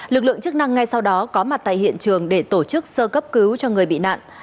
lực lượng chức năng ngay sau đó có mặt tại hiện trường để tổ chức sơ cấp cứu cho người bị nạn